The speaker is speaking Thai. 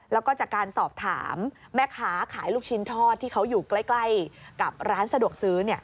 แล้วก็จากการสอบถามแม่ค้าขายลูกชิ้นทอดที่เขาอยู่ใกล้กับร้านสะดวกซื้อ